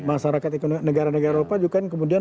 masyarakat negara negara eropa juga yang kemudian